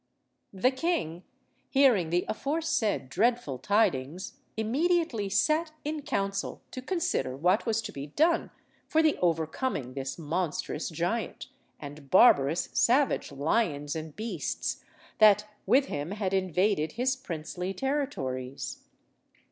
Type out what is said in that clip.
The king, hearing the aforesaid dreadful tidings, immediately sat in council to consider what was to be done for the overcoming this monstrous giant, and barbarous savage lions and beasts, that with him had invaded his princely territories.